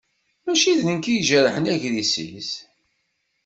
Mačči d nekk i ijerḥen agrez-is.